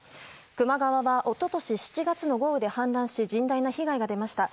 球磨川は一昨年７月の豪雨で氾濫し甚大な被害が出ました。